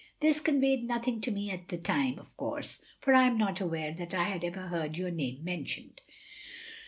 This conveyed nothing to me at the time, of course, for I am not aware that I had ever heard yotir name mentioned.